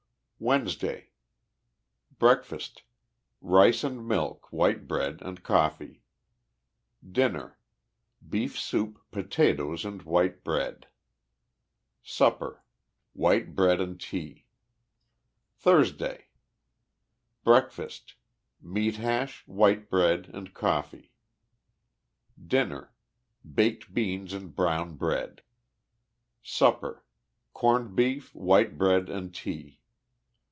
WEDNESDAY. Breakfast. — Rice and milk, white bread and coffee. Dinner. — Beef soup, potatoes and white bread. Supper. — White bread and tea. THURSDAY . Breakfast. — Meat hash, white bread and coffee. Dinner. — Baked beans and brown bread. Supper. Corned beef, white bread and tea.